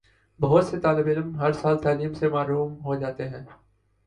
بہت سے طالب علم ہر سال تعلیم سے محروم ہو جاتے ہیں